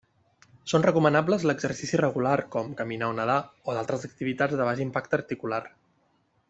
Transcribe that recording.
Són recomanables l'exercici regular, com caminar o nedar, o d'altres activitats de baix impacte articular.